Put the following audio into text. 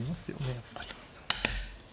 やっぱり。